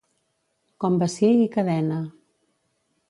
Com bací i cadena.